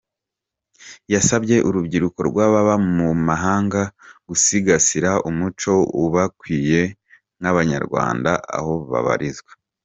Yasabye urubyiruko rw’ababa mu mahanga gusigasira umuco ubakwiye nk’Abanyarwanda aho babarizwa.